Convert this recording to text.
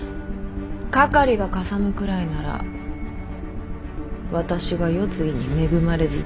かかりがかさむくらいなら私が世継ぎに恵まれずともよいと。